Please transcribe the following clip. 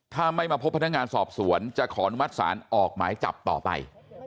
ถ้าไม่มาพบพนักงานสอบสวนจะขออนุมัติศาลออกหมายจับต่อไป